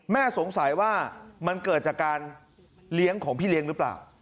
สงสัยว่ามันเกิดจากการเลี้ยงของพี่เลี้ยงหรือเปล่า